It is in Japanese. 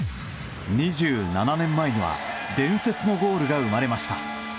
２７年前には伝説のゴールが生まれました。